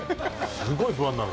すごい不安になる。